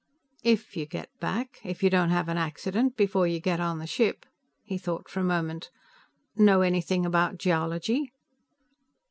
"If you get back. If you don't have an accident before you get on the ship." He thought for a moment. "Know anything about geology?"